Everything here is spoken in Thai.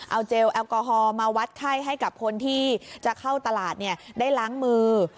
เอาเจลแอลกอฮอล์มาวัดไข้ให้กับคนที่จะเข้าตลาดได้ล้างมือ